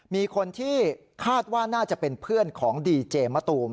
มีคนที่คาดว่าน่าจะเป็นเพื่อนของดีเจมะตูม